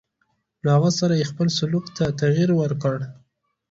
له هغه سره یې خپل سلوک ته تغیر ورکړ.